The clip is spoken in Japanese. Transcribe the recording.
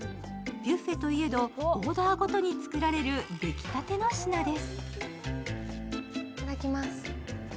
ビュッフェといえどオーダーごとに作られる出来たての品です。